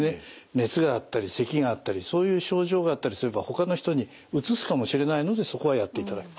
熱があったりせきがあったりそういう症状があったりすればほかの人にうつすかもしれないのでそこはやっていただく。